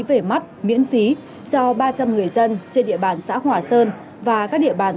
về mắt miễn phí cho ba trăm linh người dân trên địa bàn xã hòa sơn và các địa bàn